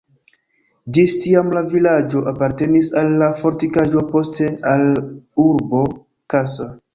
Ĝis tiam la vilaĝo apartenis al la fortikaĵo, poste al urbo Kassa.